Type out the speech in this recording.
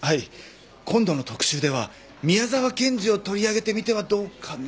今度の特集では宮沢賢治を取り上げてみてはどうかなと。